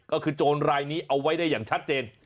ก็คือโจรรายนี้เอาไว้ได้อย่างชัดเจน